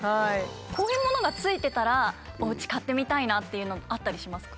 こういうものが付いてたらおうち買ってみたいなっていうのあったりしますか？